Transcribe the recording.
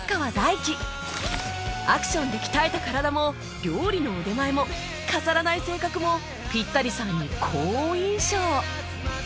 アクションで鍛えた体も料理の腕前も飾らない性格もピッタリさんに好印象